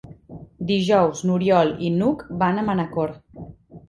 Dijous n'Oriol i n'Hug van a Manacor.